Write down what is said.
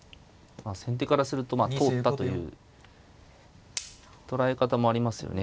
先手からするとまあ通ったという捉え方もありますよね。